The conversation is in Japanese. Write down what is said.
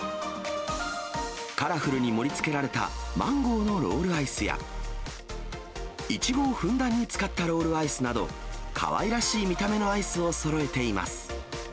カラフルに盛りつけられたマンゴーのロールアイスや、いちごをふんだんに使ったロールアイスなど、かわいらしい見た目のアイスをそろえています。